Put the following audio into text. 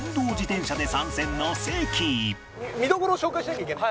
見どころを紹介しなきゃいけない。